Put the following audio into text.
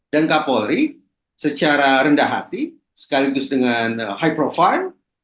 dan kapolri secara rendah hati sekaligus dengan high profile